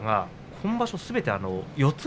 今場所すべて四つ